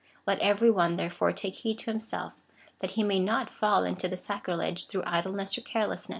Let every one, therefore, take heed to himself, that he may not fall into this sacrilege through idleness or carelessness."